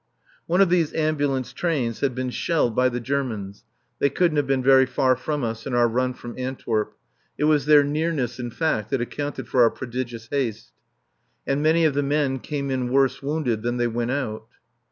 One of these ambulance trains had been shelled by the Germans (they couldn't have been very far from us in our run from Antwerp it was their nearness, in fact, that accounted for our prodigious haste!), and many of the men came in worse wounded than they went out.